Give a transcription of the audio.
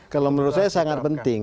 kalau menurut saya sangat penting